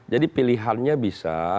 jadi pilihannya bisa